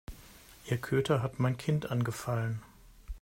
Ihr Köter hat mein Kind angefallen.